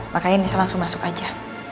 makanya bisa langsung masuk aja